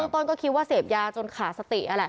ตรงต้นก็คิดว่าเสพยาจนขาสติอะแหละ